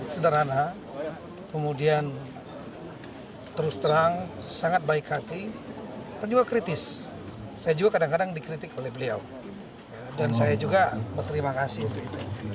saya juga berterima kasih